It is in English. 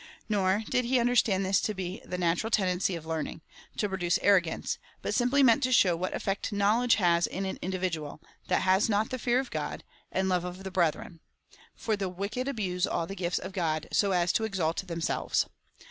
Nor did he under stand this to be the natural tendency of learning — to produce arrogance, but simply meant to show what eifect knowledge has in an individual, that has not the fear of God, and love of the brethren ; for the wicked abuse all the gifts of God, so as to exalt themselves.